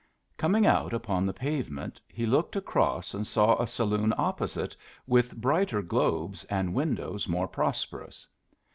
Coming out upon the pavement, he looked across and saw a saloon opposite with brighter globes and windows more prosperous.